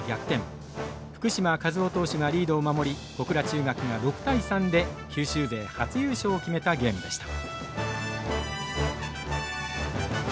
福嶋一雄投手がリードを守り小倉中学が６対３で九州勢初優勝を決めたゲームでした。